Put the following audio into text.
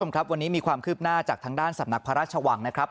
คุณผู้ชมครับวันนี้มีความคืบหน้าจากทางด้านสำนักพระราชวังนะครับ